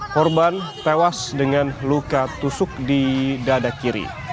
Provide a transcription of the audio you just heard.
korban tewas dengan luka tusuk di dada kiri